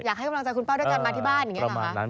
อยากให้กำลังใจคุณป้าด้วยกันมาที่บ้านอย่างนี้หรอคะ